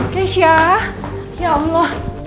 kesya ya allah